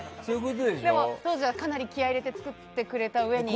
でも、当時はかなり気合を入れて作ってくれたうえに。